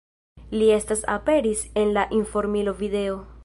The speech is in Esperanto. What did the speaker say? Li estas aperis en la Informilo Video.